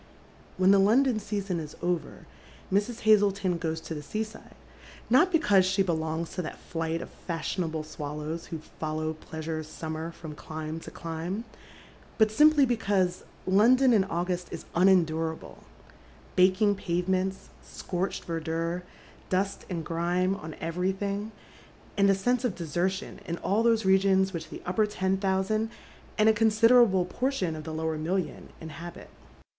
When the London eeason is over, Mrs. Hazleton goes to the ses sirle, not because she belongs to that flight of fashionable swallow*, who follow pleasure's summer fi om clime to clime, but simply l^ecause London in August is unendurable, — baking pavements, scoi"cb^d v«rdure, dust and grime on everything, and a sense of desertiou in all those regions which the upper ten thousand and a consider able portion of the lower million inhabit.